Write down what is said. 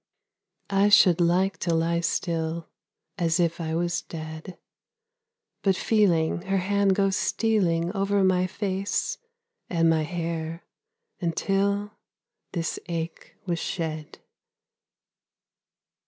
I should like to lie still As if I was dead but feeling Her hand go stealing Over my face and my hair until This ache was shed.